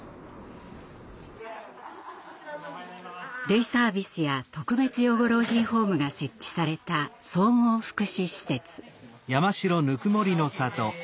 デイサービスや特別養護老人ホームが設置された総合福祉施設。